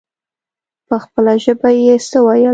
په خپله ژبه يې څه ويل.